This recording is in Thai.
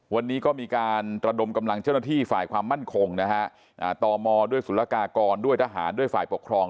วันนี้ก็มีการตระดมกำลังเฉพาะนักฐีฝ่ายความมั่นคงก็ธรรมด้วยศุลกากรด้วยทหารด้วยฝ่ายปลอดภัยด้วย